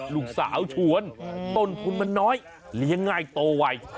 ลูกสาวชวนต้นทุนมันน้อยเลี้ยงง่ายโตไว